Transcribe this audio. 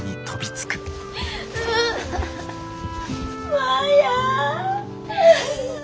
マヤ！